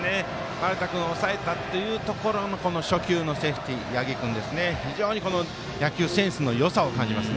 丸田君を抑えたというところの初球のセーフティー、八木君野球センスのよさを感じます。